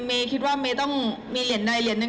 เมย์คิดว่าเมย์ต้องมีเหรียญใดเหรียญหนึ่ง